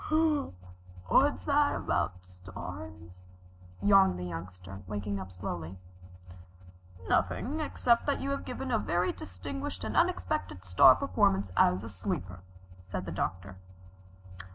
"What's that about stars?" yawned the Youngster, waking up slowly. "Nothing except that you have given a very distinguished and unexpected star performance as a sleeper," said the Doctor.